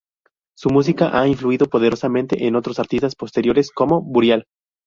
Su música ha influido poderosamente en otros artistas posteriores, como Burial.